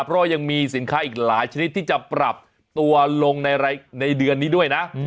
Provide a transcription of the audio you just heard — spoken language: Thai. เพราะว่ายังมีสินค้าอีกหลายชนิดที่จะปรับตัวลงในเดือนนี้ด้วยนะ